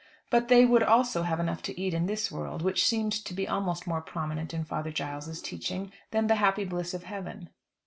But they would also have enough to eat in this world; which seemed to be almost more prominent in Father Giles's teaching than the happy bliss of heaven.